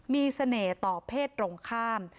มีเสน่ห์ต่อเพศตรงข้าม